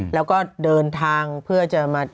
แล้วก็เดินทางเพื่อจะมา